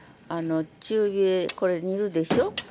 中火でこれ煮るでしょ？